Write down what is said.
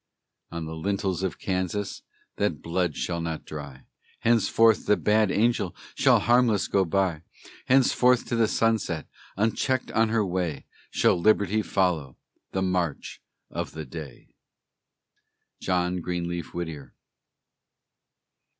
On the lintels of Kansas That blood shall not dry; Henceforth the Bad Angel Shall harmless go by; Henceforth to the sunset, Unchecked on her way, Shall Liberty follow The march of the day. JOHN GREENLEAF WHITTIER.